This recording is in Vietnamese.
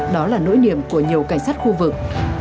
đó là nỗi niềm của nhiều cảnh sát khu vực